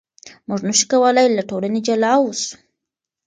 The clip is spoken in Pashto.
موږ نشو کولای له ټولنې جلا اوسو.